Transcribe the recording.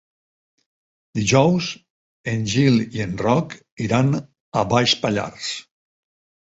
Dijous en Gil i en Roc iran a Baix Pallars.